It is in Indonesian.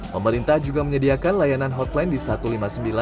pemerintah juga menyediakan layanan hotline di satu ratus lima puluh sembilan